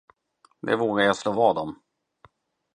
Det vågar jag slå vad om.